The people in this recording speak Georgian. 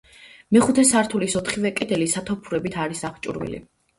მეხუთე სართულის ოთხივე კედელი სათოფურებით არის აღჭურვილი.